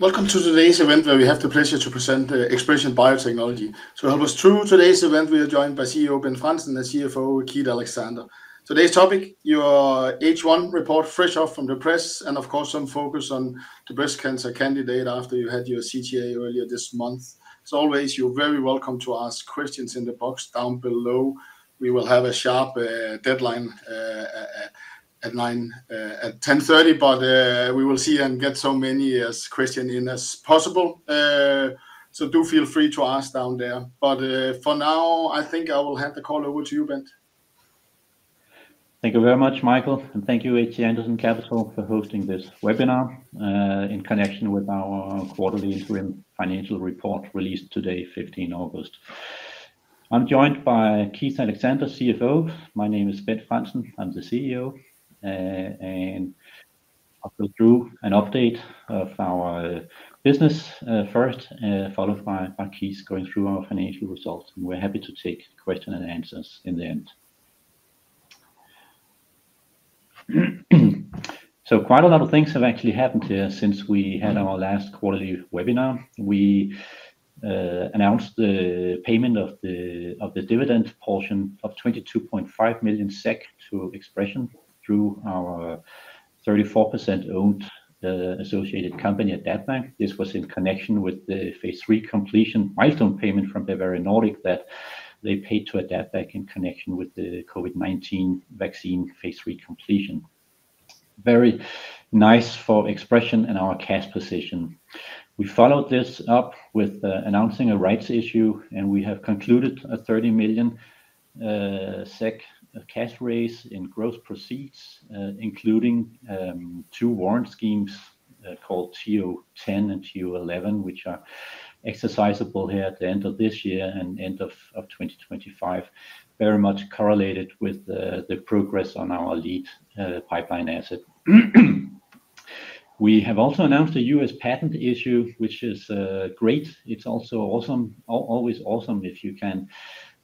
Welcome to today's event, where we have the pleasure to present ExpreS2ion Biotechnologies. So to help us through today's event, we are joined by CEO Bent Frandsen, and CFO Keith Alexander. Today's topic, your H1 report, fresh off from the press, and of course, some focus on the breast cancer candidate after you had your CTA earlier this month. As always, you're very welcome to ask questions in the box down below. We will have a sharp deadline at 9 at 10:30, but we will see and get so many questions in as possible. So do feel free to ask down there, but for now, I think I will hand the call over to you, Bent. Thank you very much, Michael, and thank you, H.C. Andersen Capital, for hosting this webinar in connection with our quarterly interim financial report released today, 15 August. I'm joined by Keith Alexander, CFO. My name is Bent Frandsen, I'm the CEO, and I'll go through an update of our business first, followed by Keith going through our financial results, and we're happy to take question and answers in the end. So quite a lot of things have actually happened here since we had our last quarterly webinar. We announced the payment of the dividend portion of 22.5 million SEK to ExpreS2ion through our 34% owned associated company, AdaptVac. This was in connection with the phase III completion milestone payment from Bavarian Nordic, that they paid to AdaptVac in connection with the COVID-19 vaccine phase III completion. Very nice for ExpreS2ion and our cash position. We followed this up with, announcing a rights issue, and we have concluded a 30 million SEK of cash raise in gross proceeds, including, two warrant schemes, called TO10 and TO11, which are exercisable here at the end of this year and end of, of 2025. Very much correlated with the, the progress on our lead, pipeline asset. We have also announced a US patent issue, which is, great. It's also awesome, always awesome if you can,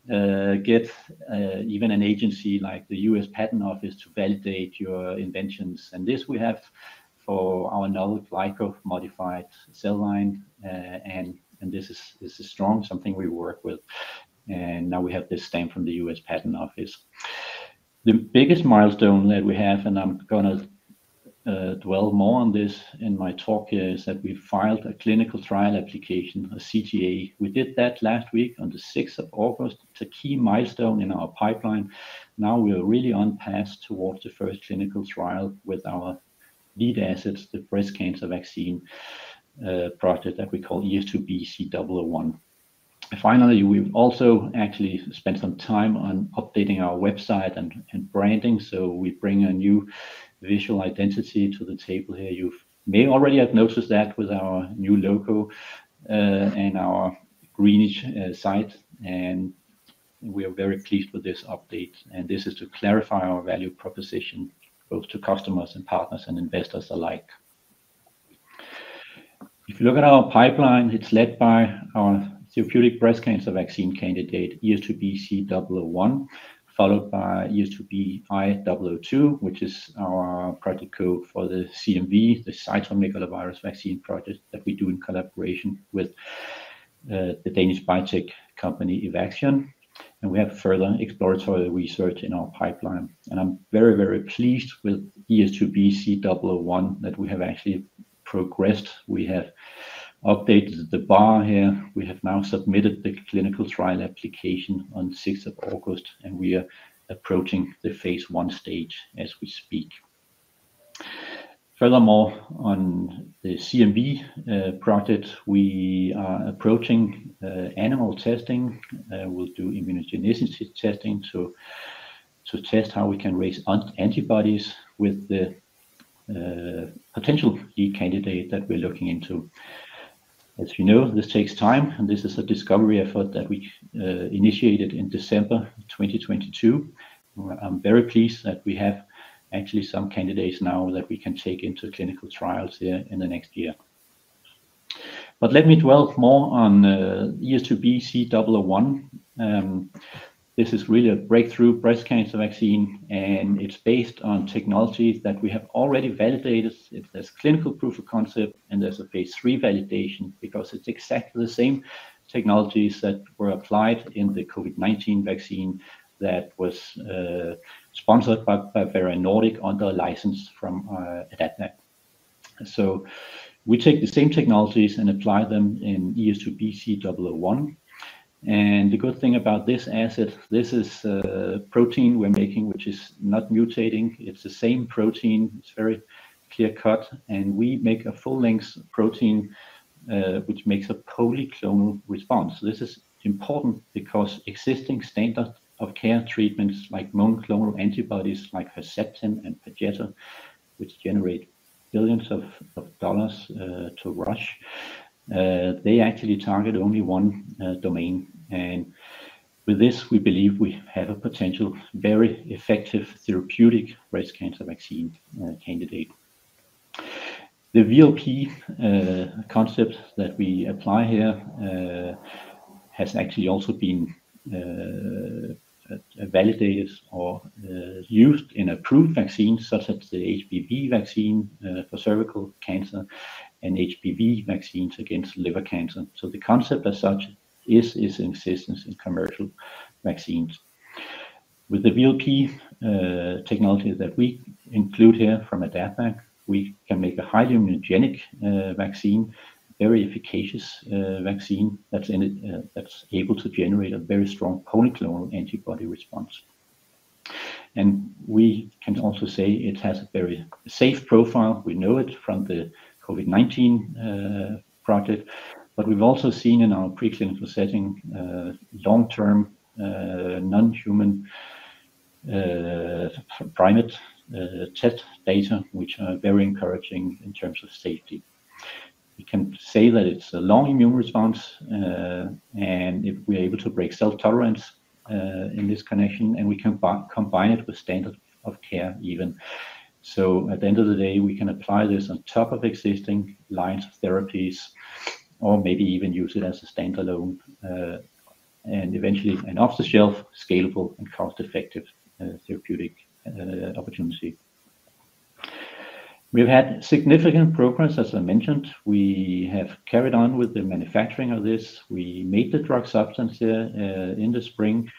get, even an agency like the US Patent Office to validate your inventions. And this we have for our Null-Glyco modified cell line, and, and this is, this is strong, something we work with, and now we have this stamp from the US Patent Office. The biggest milestone that we have, and I'm gonna dwell more on this in my talk here, is that we filed a clinical trial application, a CTA. We did that last week on the sixth of August. It's a key milestone in our pipeline. Now we are really on path towards the first clinical trial with our lead assets, the breast cancer vaccine project that we call ES2B-C001. And finally, we've also actually spent some time on updating our website and branding, so we bring a new visual identity to the table here. You may already have noticed that with our new logo and our greenish site, and we are very pleased with this update, and this is to clarify our value proposition, both to customers and partners, and investors alike. If you look at our pipeline, it's led by our therapeutic breast cancer vaccine candidate, ES2B-C001, followed by ES2B-I002, which is our project code for the CMV, the cytomegalovirus vaccine project that we do in collaboration with the Danish biotech company, Evaxion, and we have further exploratory research in our pipeline. And I'm very, very pleased with ES2B-C001 that we have actually progressed. We have updated the bar here. We have now submitted the clinical trial application on sixth of August, and we are approaching the phase I stage as we speak. Furthermore, on the CMV project, we are approaching animal testing. We'll do immunogenicity testing to test how we can raise antibodies with the potential key candidate that we're looking into. As you know, this takes time, and this is a discovery effort that we initiated in December 2022. I'm very pleased that we have actually some candidates now that we can take into clinical trials here in the next year. But let me dwell more on ES2B-C001. This is really a breakthrough breast cancer vaccine, and it's based on technologies that we have already validated. There's clinical proof of concept, and there's a phase III validation because it's exactly the same technologies that were applied in the COVID-19 vaccine that was sponsored by Bavarian Nordic under license from AdaptVac. So we take the same technologies and apply them in ES2B-C001, and the good thing about this asset, this is a protein we're making, which is not mutating. It's the same protein, it's very clear-cut, and we make a full-length protein, which makes a polyclonal response. This is important because existing standard of care treatments, like monoclonal antibodies, like Herceptin and Perjeta, which generate billions of dollars to Roche, they actually target only one domain, and with this, we believe we have a potential, very effective therapeutic breast cancer vaccine candidate. The VLP concept that we apply here has actually also been validated or used in approved vaccines, such as the HPV vaccine for cervical cancer and HPV vaccines against liver cancer. So the concept as such is in existence in commercial vaccines. With the VLP technology that we include here from AdaptVac, we can make a highly immunogenic vaccine, very efficacious vaccine that's able to generate a very strong polyclonal antibody response. And we can also say it has a very safe profile. We know it from the COVID-19 project, but we've also seen in our preclinical setting long-term non-human primate test data, which are very encouraging in terms of safety. We can say that it's a long immune response, and if we're able to break self-tolerance in this connection, and we can combine it with standard of care even. So at the end of the day, we can apply this on top of existing lines of therapies, or maybe even use it as a standalone, and eventually an off-the-shelf, scalable, and cost-effective therapeutic opportunity. We've had significant progress, as I mentioned. We have carried on with the manufacturing of this. We made the drug substance here in the spring,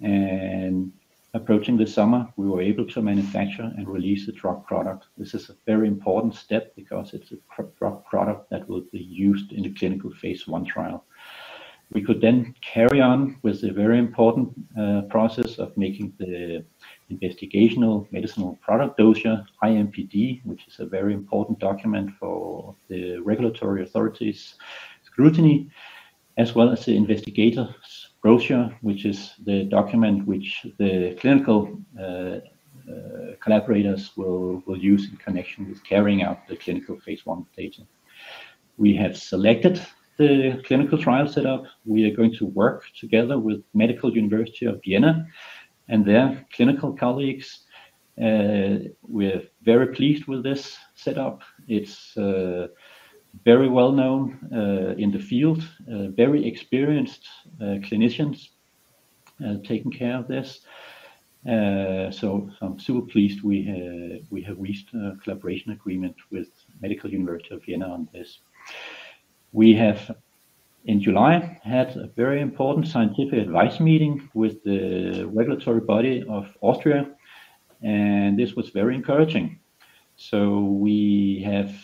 and approaching the summer, we were able to manufacture and release the drug product. This is a very important step because it's a drug product that will be used in the clinical phase I trial. We could then carry on with the very important process of making the investigational medicinal product dossier, IMPD, which is a very important document for the regulatory authorities' scrutiny, as well as the investigator's brochure, which is the document which the clinical collaborators will use in connection with carrying out the clinical phase I trial. We have selected the clinical trial setup. We are going to work together with Medical University of Vienna and their clinical colleagues. We're very pleased with this setup. It's very well known in the field, very experienced clinicians taking care of this. So I'm super pleased we have reached a collaboration agreement with Medical University of Vienna on this. We have, in July, had a very important scientific advice meeting with the regulatory body of Austria, and this was very encouraging. So we have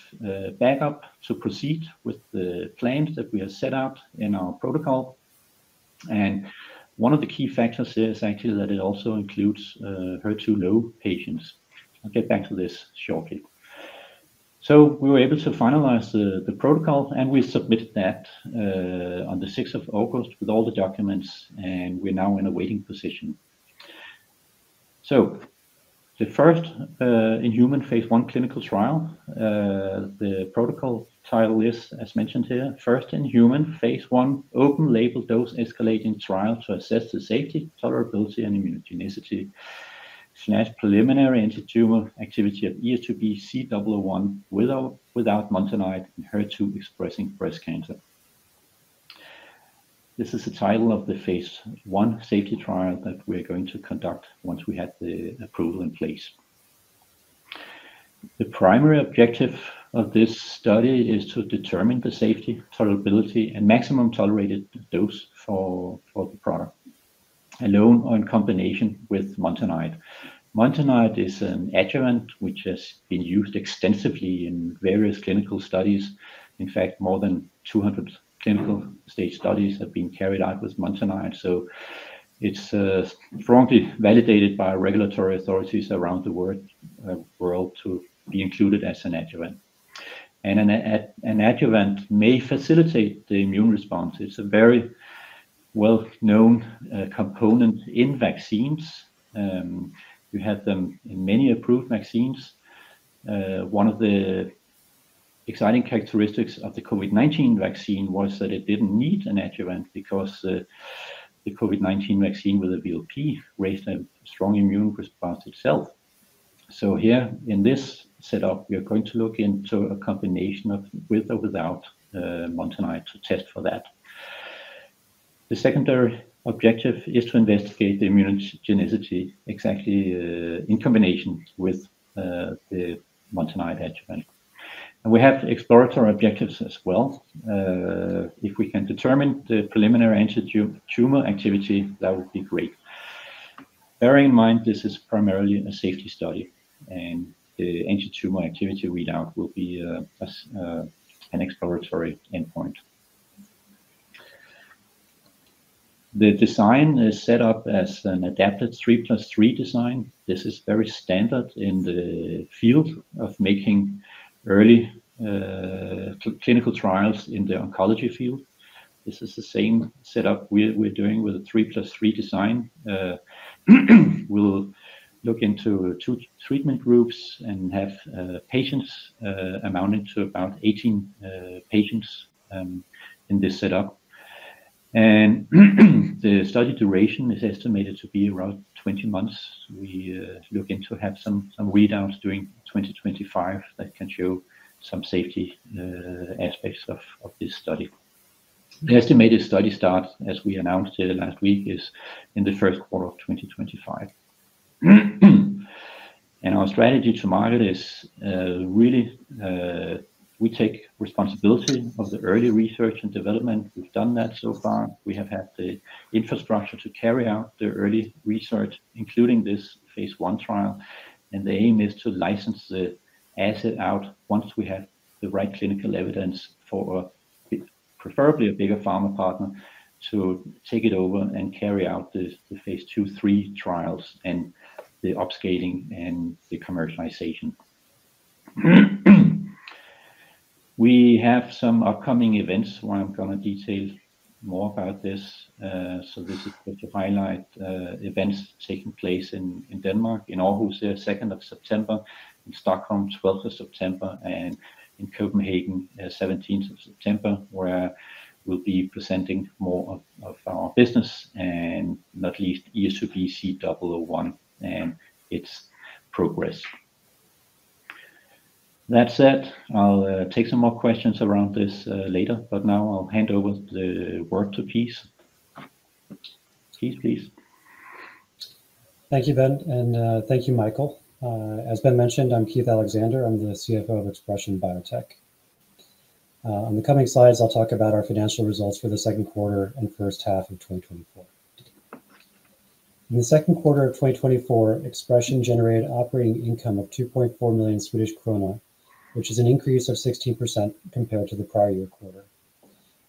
back-up to proceed with the plans that we have set out in our protocol. And one of the key factors is actually that it also includes HER2-low patients. I'll get back to this shortly. So we were able to finalize the protocol, and we submitted that on the sixth of August with all the documents, and we're now in a waiting position. So the first-in-human phase I clinical trial, the protocol title is, as mentioned here, First in Human, phase I, Open Label Dose-Escalating Trial to Assess the Safety, Tolerability, and Immunogenicity/Preliminary Antitumor Activity of ES2B-C001 without Montanide in HER2-expressing breast cancer. This is the title of the phase I safety trial that we're going to conduct once we have the approval in place. The primary objective of this study is to determine the safety, tolerability, and maximum tolerated dose for the product, alone or in combination with Montanide. Montanide is an adjuvant which has been used extensively in various clinical studies. In fact, more than 200 clinical stage studies have been carried out with Montanide, so it's strongly validated by regulatory authorities around the world to be included as an adjuvant. And an adjuvant may facilitate the immune response. It's a very well-known component in vaccines. We have them in many approved vaccines. One of the exciting characteristics of the COVID-19 vaccine was that it didn't need an adjuvant because the COVID-19 vaccine with a VLP raised a strong immune response itself. So here in this setup, we are going to look into a combination of with or without Montanide to test for that. The secondary objective is to investigate the immunogenicity, exactly, in combination with the Montanide adjuvant. We have exploratory objectives as well. If we can determine the preliminary antitumor activity, that would be great. Bear in mind, this is primarily a safety study, and the antitumor activity readout will be an exploratory endpoint. The design is set up as an adapted 3+3 design. This is very standard in the field of making early clinical trials in the oncology field. This is the same setup we're doing with a 3+3 design. We'll look into two treatment groups and have patients amounted to about 18 patients in this setup. The study duration is estimated to be around 20 months. We're looking to have some readouts during 2025 that can show some safety aspects of this study. The estimated study start, as we announced last week, is in the first quarter of 2025. Our strategy to market is really we take responsibility of the early research and development. We've done that so far. We have had the infrastructure to carry out the early research, including this phase I trial, and the aim is to license the asset out once we have the right clinical evidence for, preferably a bigger pharma partner to take it over and carry out the phase II, III trials and the upscaling and the commercialization. We have some upcoming events where I'm gonna detail more about this. So this is to highlight events taking place in Denmark, in Aarhus, second of September, in Stockholm, 12th of September, and in Copenhagen, 17th of September, where we'll be presenting more of our business and not least ES2B-C001 and its progress. That said, I'll take some more questions around this later, but now I'll hand over the work to Keith. Keith, please. Thank you, Bent, and thank you, Michael. As Bent mentioned, I'm Keith Alexander. I'm the CFO of ExpreS2ion Biotechnologies. On the coming slides, I'll talk about our financial results for the second quarter and first half of 2024. In the second quarter of 2024, ExpreS2ion Biotechnologies generated operating income of 2.4 million Swedish krona, which is an increase of 16% compared to the prior year quarter.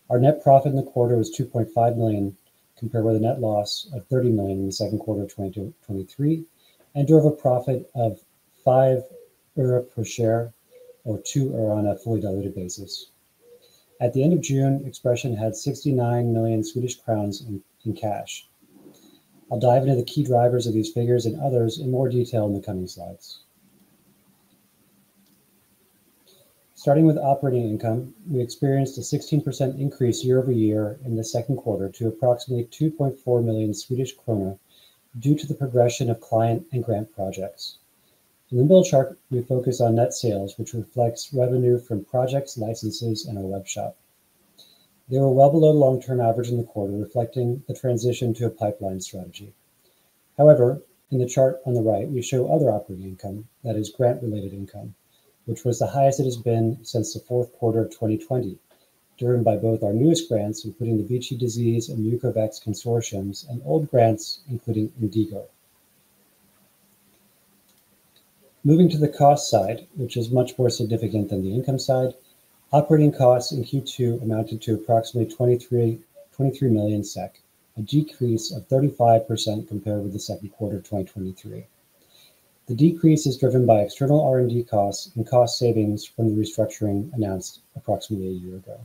Our net profit in the quarter was 2.5 million SEK, compared with a net loss of 30 million SEK in the second quarter of 2023, and drove a profit of 5 öre per share or 2 öre on a fully diluted basis. At the end of June, ExpreS2ion Biotechnologies had 69 million Swedish crowns in cash. I'll dive into the key drivers of these figures and others in more detail in the coming slides. Starting with operating income, we experienced a 16% increase year over year in the second quarter to approximately 2.4 million Swedish kronor due to the progression of client and grant projects. In the middle chart, we focus on net sales, which reflects revenue from projects, licenses, and our webshop. They were well below the long-term average in the quarter, reflecting the transition to a pipeline strategy. However, in the chart on the right, we show other operating income, that is, grant-related income, which was the highest it has been since the fourth quarter of 2020, driven by both our newest grants, including the VICI-Disease and MucoVax consortiums, and old grants, including INDIGO. Moving to the cost side, which is much more significant than the income side, operating costs in Q2 amounted to approximately 23, 23 million SEK, a decrease of 35% compared with the second quarter of 2023. The decrease is driven by external R&D costs and cost savings from the restructuring announced approximately a year ago.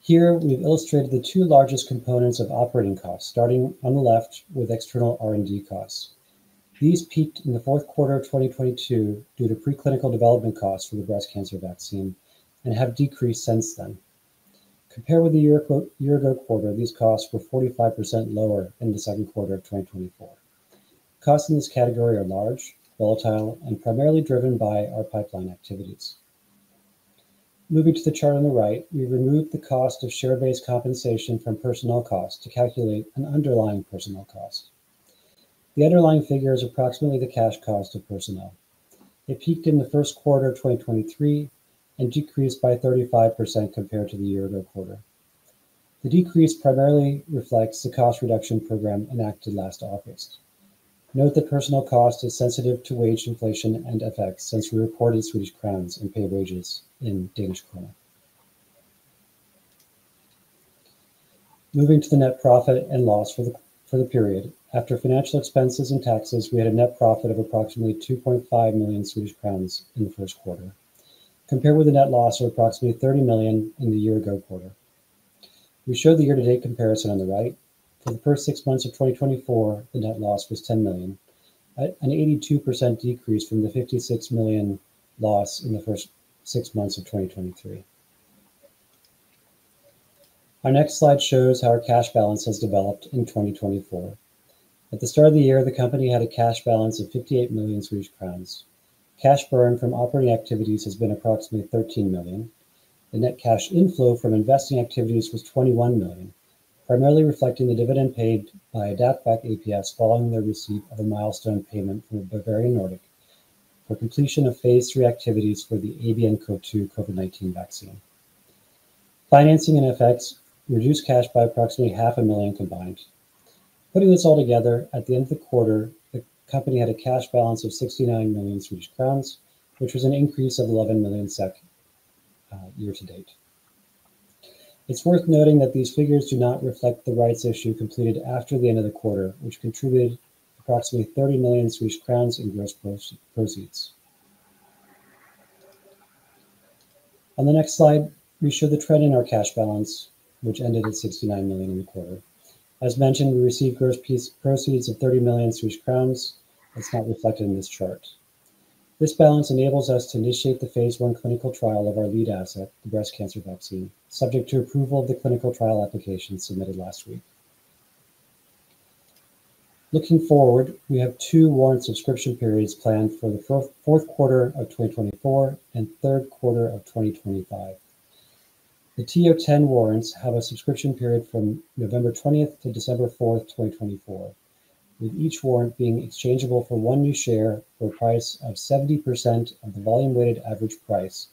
Here, we've illustrated the two largest components of operating costs, starting on the left with external R&D costs. These peaked in the fourth quarter of 2022 due to preclinical development costs for the breast cancer vaccine and have decreased since then. Compared with the year-ago quarter, these costs were 45% lower in the second quarter of 2024. Costs in this category are large, volatile, and primarily driven by our pipeline activities. Moving to the chart on the right, we've removed the cost of share-based compensation from personnel costs to calculate an underlying personnel cost. The underlying figure is approximately the cash cost of personnel. It peaked in the first quarter of 2023 and decreased by 35% compared to the year ago quarter. The decrease primarily reflects the cost reduction program enacted last August. Note that personnel cost is sensitive to wage inflation and effects since we reported SEK and pay wages in DKK. Moving to the net profit and loss for the period. After financial expenses and taxes, we had a net profit of approximately 2.5 million Swedish crowns in the first quarter, compared with a net loss of approximately 30 million in the year ago quarter. We showed the year-to-date comparison on the right. For the first six months of 2024, the net loss was 10 million, at an 82% decrease from the 56 million loss in the first six months of 2023. Our next slide shows how our cash balance has developed in 2024. At the start of the year, the company had a cash balance of 58 million Swedish crowns. Cash burn from operating activities has been approximately 13 million. The net cash inflow from investing activities was 21 million, primarily reflecting the dividend paid by AdaptVac ApS following their receipt of a milestone payment from Bavarian Nordic for completion of phase III activities for the ABNCoV2 COVID-19 vaccine. Financing and effects reduced cash by approximately 500,000 combined. Putting this all together, at the end of the quarter, the company had a cash balance of 69 million Swedish crowns, which was an increase of 11 million SEK year to date. It's worth noting that these figures do not reflect the rights issue completed after the end of the quarter, which contributed approximately 30 million Swedish crowns in gross proceeds. On the next slide, we show the trend in our cash balance, which ended at 69 million in the quarter. As mentioned, we received gross proceeds of 30 million crowns. It's not reflected in this chart. This balance enables us to initiate the phase I clinical trial of our lead asset, the breast cancer vaccine, subject to approval of the clinical trial application submitted last week. Looking forward, we have two warrant subscription periods planned for the fourth quarter of 2024 and third quarter of 2025. The TO10 warrants have a subscription period from November 20th to December 4th, 2024, with each warrant being exchangeable for one new share for a price of 70% of the volume-weighted average price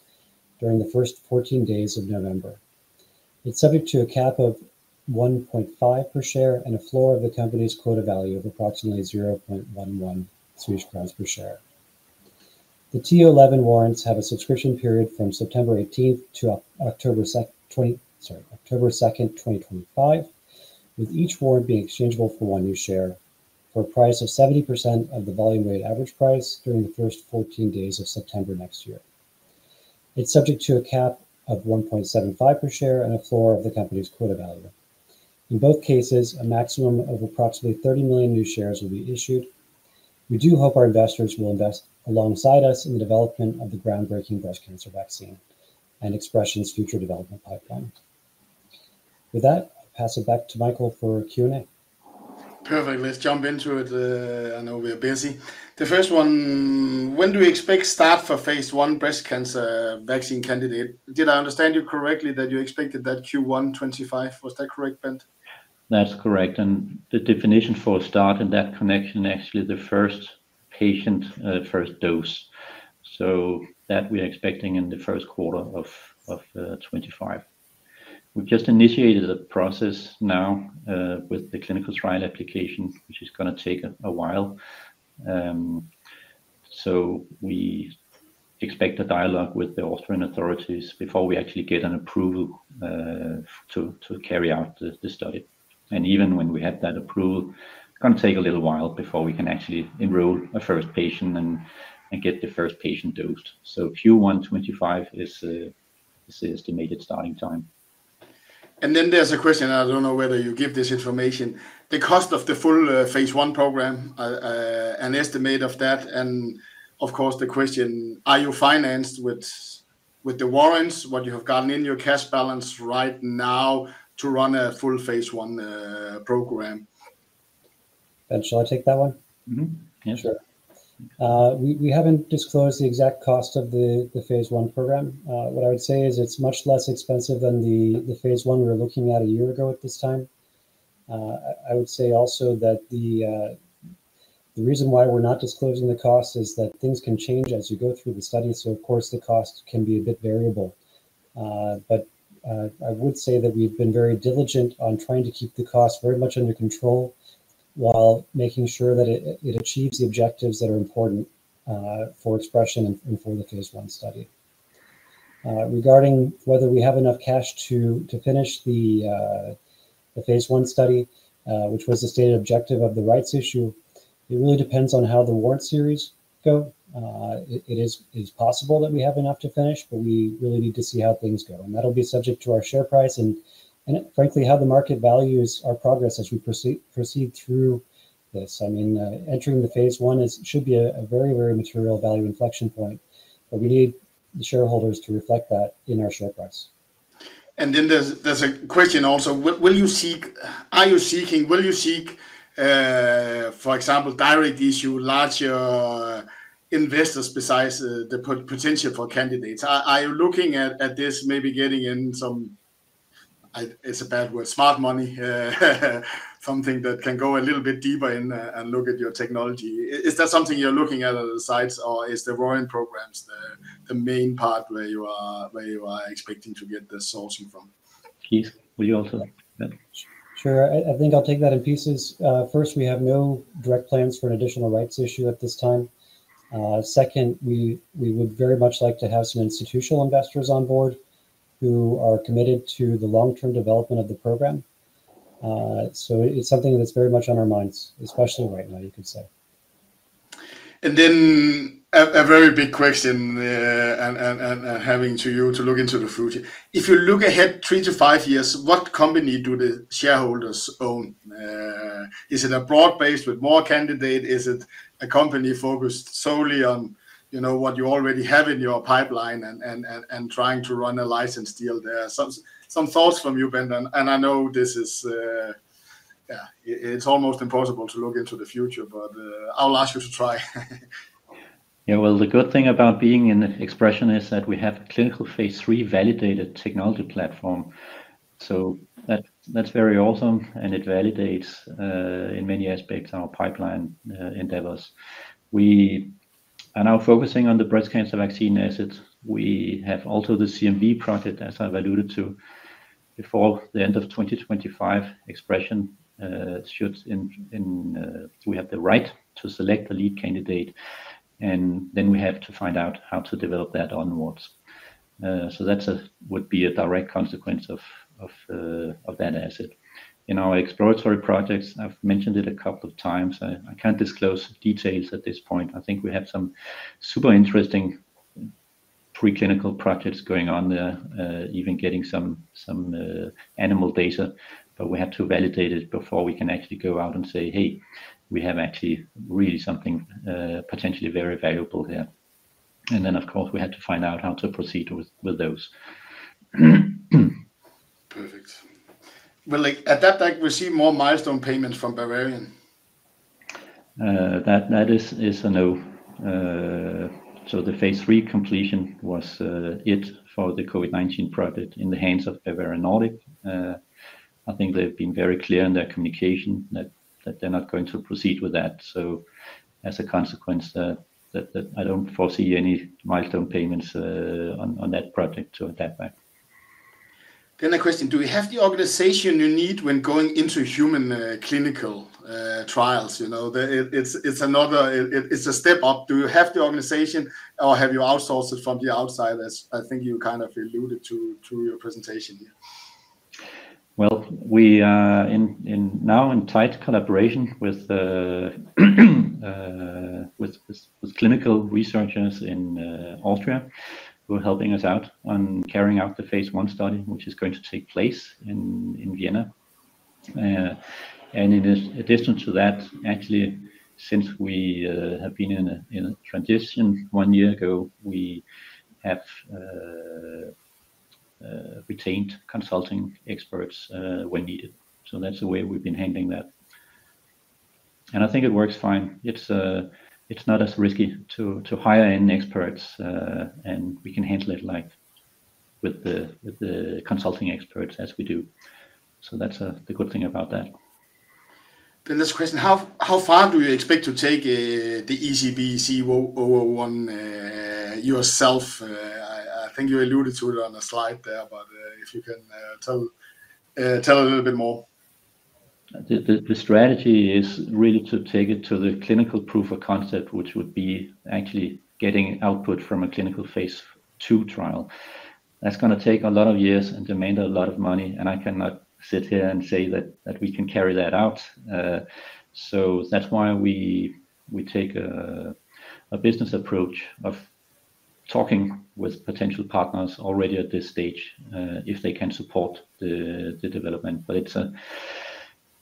during the first 14 days of November. It's subject to a cap of 1.5 SEK per share and a floor of the company's quota value of approximately 0.11 Swedish crowns per share. The TO11 warrants have a subscription period from September 18th to October 2nd, 2025, with each warrant being exchangeable for one new share for a price of 70% of the volume-weighted average price during the first 14 days of September next year. It's subject to a cap of 1.75 per share and a floor of the company's quota value. In both cases, a maximum of approximately 30 million new shares will be issued. We do hope our investors will invest alongside us in the development of the groundbreaking breast cancer vaccine and ExpreS2ion's future development pipeline. With that, I'll pass it back to Michael for Q&A. Perfect. Let's jump into it. I know we are busy. The first one, when do we expect start for phase I breast cancer vaccine candidate? Did I understand you correctly, that you expected that Q1 2025? Was that correct, Bent? That's correct, and the definition for a start in that connection, actually, the first patient, first dose. So that we are expecting in the first quarter of 2025. We've just initiated a process now with the clinical trial application, which is gonna take a while. So we expect a dialogue with the Austrian authorities before we actually get an approval to carry out this study. And even when we have that approval, it's gonna take a little while before we can actually enroll a first patient and get the first patient dosed. So Q1 2025 is the estimated starting time. Then there's a question, I don't know whether you give this information. The cost of the full phase I program, an estimate of that, and of course, the question, are you financed with the warrants, what you have gotten in your cash balance right now to run a full phase I program? Bent, shall I take that one? Mm-hmm. Yeah. Sure. We haven't disclosed the exact cost of the phase I program. What I would say is it's much less expensive than the phase I we were looking at a year ago at this time. I would say also that the reason why we're not disclosing the cost is that things can change as you go through the study, so of course, the cost can be a bit variable. But, I would say that we've been very diligent on trying to keep the cost very much under control, while making sure that it achieves the objectives that are important, for ExpreS2ion and for the phase I study. Regarding whether we have enough cash to finish the phase I study, which was the stated objective of the rights issue, it really depends on how the warrant series go. It is possible that we have enough to finish, but we really need to see how things go, and that'll be subject to our share price, and frankly, how the market values our progress as we proceed through this. I mean, entering the phase I is, should be a very material value inflection point, but we need the shareholders to reflect that in our share price. And then there's a question also: Will you seek, are you seeking, for example, direct issue, larger investors besides the potential for candidates? Are you looking at this maybe getting in some, it's a bad word, smart money, something that can go a little bit deeper and look at your technology. Is that something you're looking at other sides, or is the warrant programs the main part where you are expecting to get this sourcing from? Keith, would you also like that? Sure. I think I'll take that in pieces. First, we have no direct plans for an additional rights issue at this time. Second, we would very much like to have some institutional investors on board who are committed to the long-term development of the program. So it's something that's very much on our minds, especially right now, you could say. And then a very big question, having to ask you to look into the future. If you look ahead three to five years, what company do the shareholders own? Is it a broad base with more candidates? Is it a company focused solely on, you know, what you already have in your pipeline and trying to run a license deal there? Some thoughts from you, Bent, and I know this is. Yeah, it's almost impossible to look into the future, but I'll ask you to try. Yeah, well, the good thing about being in ExpreS2ion is that we have a clinical phase III validated technology platform. So that's very awesome, and it validates in many aspects our pipeline endeavors. We are now focusing on the breast cancer vaccine assets. We have also the CMV project, as I've alluded to. Before the end of 2025, ExpreS2ion should have the right to select the lead candidate, and then we have to find out how to develop that onwards. So that would be a direct consequence of that asset. In our exploratory projects, I've mentioned it a couple of times, I can't disclose details at this point. I think we have some super interesting preclinical projects going on there, even getting some animal data, but we have to validate it before we can actually go out and say, "Hey, we have actually really something potentially very valuable here." And then, of course, we had to find out how to proceed with those. Perfect. Will, like, AdaptVac receive more milestone payments from Bavarian Nordic? That is a no. So the phase III completion was it for the COVID-19 project in the hands of Bavarian Nordic. I think they've been very clear in their communication that they're not going to proceed with that. So as a consequence, I don't foresee any milestone payments on that project or AdaptVac. Then a question: Do we have the organization you need when going into human clinical trials? You know, it's another. It's a step up. Do you have the organization or have you outsourced it from the outside, as I think you kind of alluded to, through your presentation here? Well, we are now in tight collaboration with the clinical researchers in Austria, who are helping us out on carrying out the phase I study, which is going to take place in Vienna. And in addition to that, actually, since we have been in a transition 1 year ago, we have retained consulting experts when needed. So that's the way we've been handling that, and I think it works fine. It's not as risky to hire any experts, and we can handle it like with the consulting experts as we do. So that's the good thing about that. Then this question: How far do you expect to take the ES2B-C001? I think you alluded to it on a slide there, but if you can tell a little bit more. The strategy is really to take it to the clinical proof of concept, which would be actually getting output from a clinical phase II trial. That's gonna take a lot of years and demand a lot of money, and I cannot sit here and say that we can carry that out. So that's why we take a business approach of talking with potential partners already at this stage, if they can support the development. But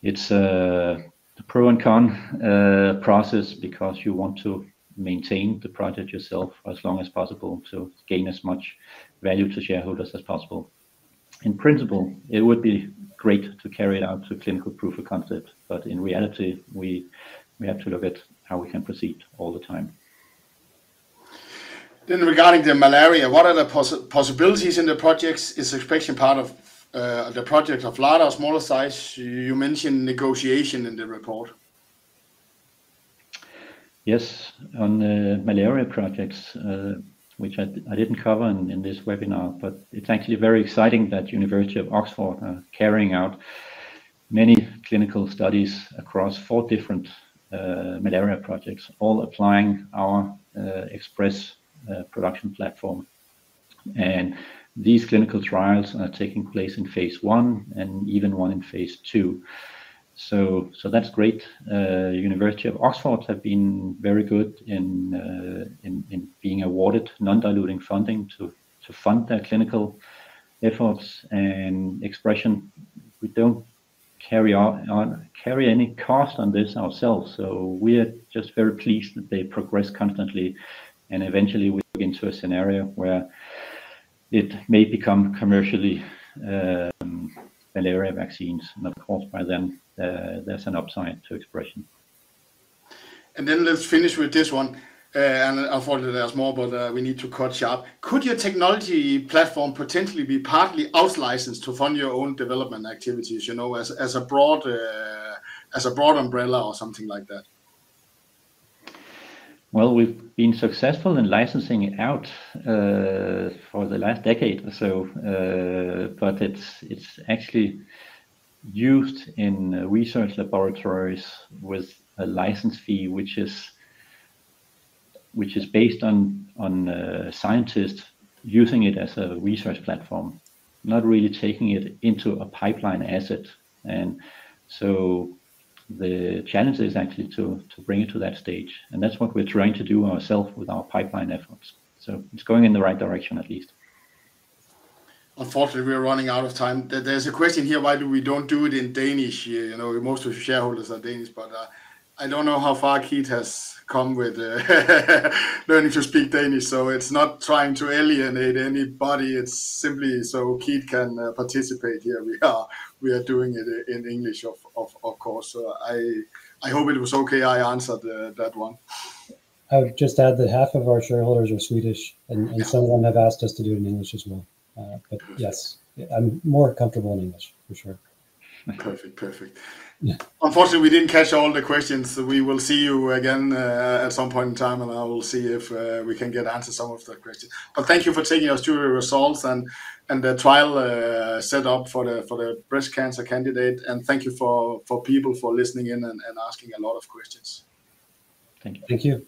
it's a pro and con process because you want to maintain the project yourself as long as possible to gain as much value to shareholders as possible. In principle, it would be great to carry it out to clinical proof of concept, but in reality, we have to look at how we can proceed all the time. Then, regarding the malaria, what are the possibilities in the projects? Is ExpreS2ion part of the project of large or smaller size? You mentioned negotiation in the report. Yes, on the malaria projects, which I didn't cover in this webinar, but it's actually very exciting that University of Oxford are carrying out many clinical studies across 4 different malaria projects, all applying our ExpreS2 production platform. And these clinical trials are taking place in phase I and even one in phase II. So that's great. University of Oxford have been very good in being awarded non-diluting funding to fund their clinical efforts. And ExpreS2ion, we don't carry any cost on this ourselves, so we are just very pleased that they progress constantly, and eventually we get into a scenario where it may become commercially malaria vaccines. And of course, by then, there's an upside to ExpreS2ion. And then let's finish with this one. And unfortunately, there's more, but we need to cut sharp. Could your technology platform potentially be partly out-licensed to fund your own development activities, you know, as a broad umbrella or something like that? Well, we've been successful in licensing it out for the last decade or so. But it's actually used in research laboratories with a license fee, which is based on scientists using it as a research platform, not really taking it into a pipeline asset. And so the challenge is actually to bring it to that stage, and that's what we're trying to do ourselves with our pipeline efforts. So it's going in the right direction, at least. Unfortunately, we're running out of time. There's a question here, why do we don't do it in Danish here? You know, most of the shareholders are Danish, but I don't know how far Keith has come with learning to speak Danish, so it's not trying to alienate anybody. It's simply so Keith can participate here. We are doing it in English, of course. So I hope it was okay I answered that one. I would just add that half of our shareholders are Swedish, and some of them have asked us to do it in English as well. But yes, I'm more comfortable in English, for sure. Perfect. Perfect. Yeah. Unfortunately, we didn't catch all the questions. We will see you again at some point in time, and I will see if we can get answer some of the questions. But thank you for taking us through your results and the trial set up for the breast cancer candidate. And thank you for people for listening in and asking a lot of questions. Thank you. Thank you.